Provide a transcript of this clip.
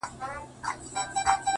مخته چي دښمن راسي تېره نه وي،